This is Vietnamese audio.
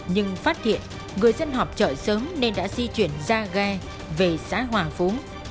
nhưng phát hiện người dân họp chợ sớm nên đã di chuyển ra ghe về xã hòa phú